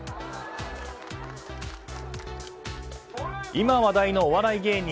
今話題のお笑い芸人